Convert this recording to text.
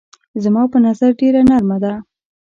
زما په نظر ډېره نرمه ده.